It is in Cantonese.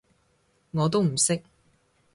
我都唔識